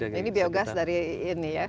ini biogas dari ini ya